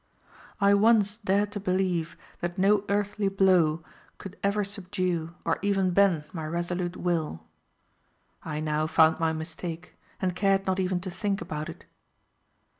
I once dared to believe that no earthly blow could ever subdue, or even bend my resolute will. I now found my mistake, and cared not even to think about it.